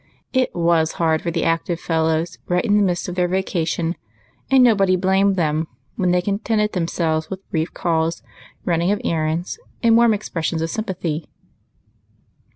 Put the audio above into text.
It was hard for the active fellows, right in the midst of their vacation ; and nobody blamed them Avhen they contented themselves with brief calls, running of er rands, and warm expressions of sympathy.